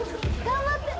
頑張って！